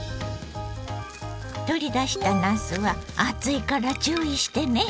取り出したなすは熱いから注意してね。